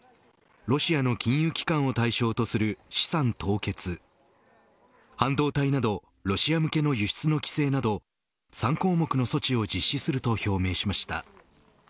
ロシアの金融機関を対象とする資産凍結半導体などロシア向けの輸出の規制など３項目の措置を実施すると表明しました。